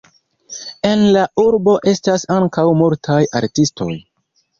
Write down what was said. En la urbo estas ankaŭ multaj artistoj.